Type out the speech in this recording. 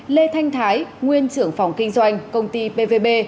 lê thanh thái nguyên trưởng phòng kinh doanh công ty pvb